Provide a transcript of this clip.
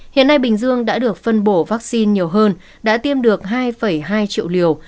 hiện nay bình dương đã được phân bổ vaccine nhiều hơn đã tiêm được hai hai triệu liều